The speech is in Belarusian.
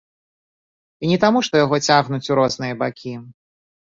І не таму што яго цягнуць у розныя бакі.